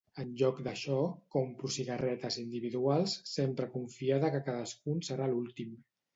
En lloc d'això, compro cigarretes individuals, sempre confiada que cadascun serà l'últim.